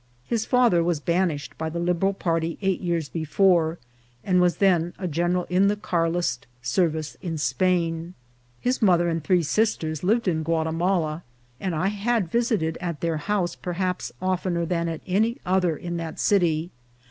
His father was banished by the Liberal party eight years before, and was then a general in the Carlist service in Spain. His mother and three sisters lived in Guatimala, and I had visited at their house perhaps oftener than at any other in that city.